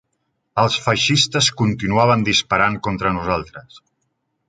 Els feixistes continuaven disparant contra nosaltres